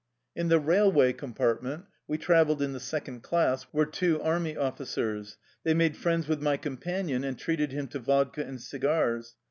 In the railway compartment — we traveled in the second class — were two army officers. They made friends with my companion and treated him to vodka and cigars.